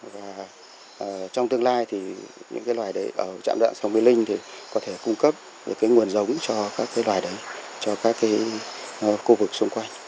và trong tương lai những loài ở trạm đoạn sông mê linh có thể cung cấp nguồn giống cho các loài đấy cho các khu vực xung quanh